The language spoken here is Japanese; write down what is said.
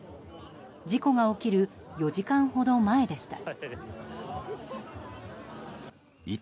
事故が起きる４時間ほど前でした。